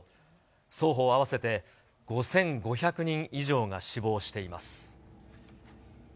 双方合わせて５５００人以上が死亡しています。